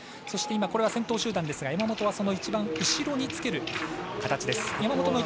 そして、先頭集団山本は一番後ろにつける形。